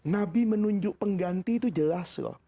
nabi menunjuk pengganti itu jelas loh